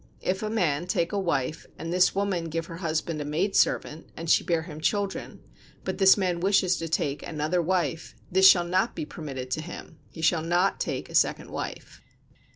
If a man take a wife and this woman give her husband a maid servant, and she bear him children, but this man wishes to take another wife, this shall not be permitted to him; he shall not take a second wife.